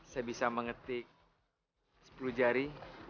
saya bisa mengetik sepuluh jari